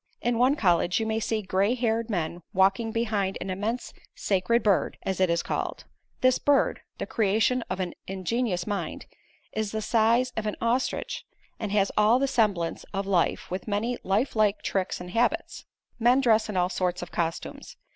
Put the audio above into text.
In one college you may see gray haired men walking behind an immense Sacred Bird, as it is called. This Bird the creation of an ingenious mind is the size of an ostrich and has all the semblance of life, with many lifelike tricks and habits. Men dress in all sorts of costumes.